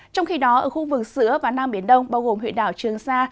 trong khi đó ở khu vực giữa và nam biển đông bao gồm huyện đảo trường sa